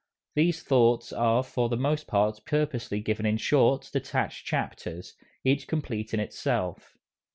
These thoughts are for the most part purposely given in short, detached chapters, each complete in itself.